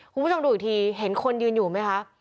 คุณผู้ชมดูอีกทีเห็นคนยืนอยู่ไหมคะ